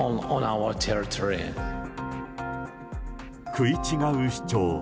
食い違う主張。